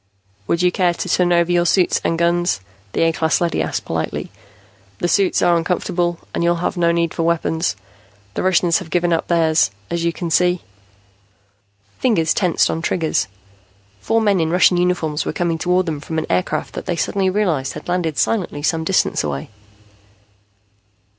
"Would you care to turn over your suits and guns?" the A class leady asked politely. "The suits are uncomfortable and you'll have no need for weapons. The Russians have given up theirs, as you can see." Fingers tensed on triggers. Four men in Russian uniforms were coming toward them from an aircraft that they suddenly realized had landed silently some distance away.